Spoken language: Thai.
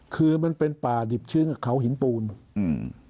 คือมันเป็นป่าดิบชื้นกับเขาหินปูนอืม